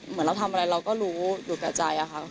เหมือนเราทำอะไรเราก็รู้อยู่กับใจอะค่ะ